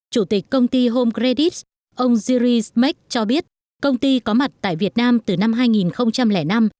chủ tịch công ty home credit ông zyri smec cho biết công ty có mặt tại việt nam từ năm hai nghìn năm